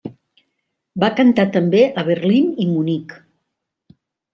Va cantar també a Berlín i Munic.